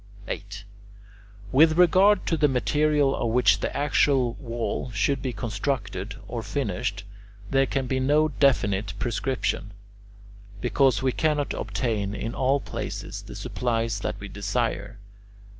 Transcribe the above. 8. With regard to the material of which the actual wall should be constructed or finished, there can be no definite prescription, because we cannot obtain in all places the supplies that we desire.